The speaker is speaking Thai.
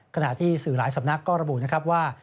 ขณะที่สื่อหลายศัพท์นักก็ระบุว่า